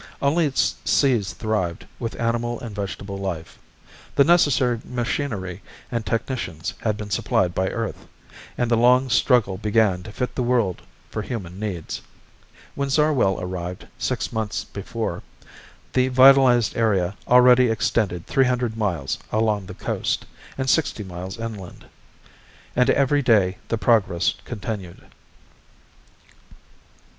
Only its seas thrived with animal and vegetable life. The necessary machinery and technicians had been supplied by Earth, and the long struggle began to fit the world for human needs. When Zarwell arrived, six months before, the vitalized area already extended three hundred miles along the coast, and sixty miles inland. And every day the progress continued.